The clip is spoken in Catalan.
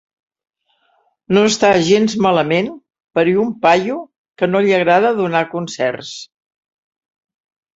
No està gens malament per a un paio a qui no li agrada donar concerts.